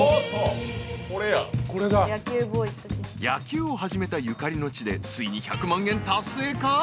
［野球を始めたゆかりの地でついに１００万円達成か？］